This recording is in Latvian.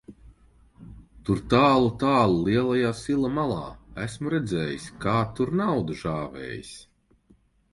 Tur tālu, tālu lielajā sila malā, esmu redzējis, kā tur nauda žāvējas.